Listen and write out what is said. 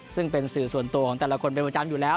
ซึ่งเป็นสื่อส่วนตัวของแต่ละคนเป็นประจำอยู่แล้ว